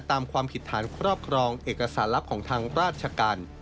ตามความผิดฐานครอบครองเอกสารลับของทางราชการ